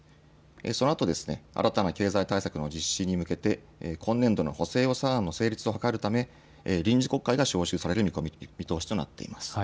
そのあと、新たな経済対策の実施に向けて、今年度の補正予算案の成立を図るため、臨時国会が召集される見通しとなっています。